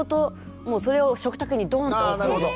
もうそれを食卓にドーンと置くんですよ。